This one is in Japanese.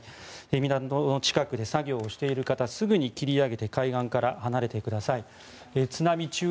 港の近くで作業をしている方すぐに切り上げて海岸から離れてください。